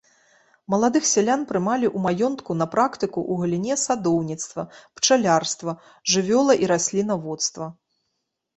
Маладых сялян прымалі ў маёнтку на практыку ў галіне садоўніцтва, пчалярства, жывёла- і раслінаводства.